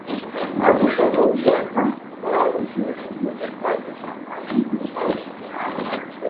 Ալետոլոգիական ռեալիզմի (ուսմունք ճշմարտության մասին) հիմնադիրն է։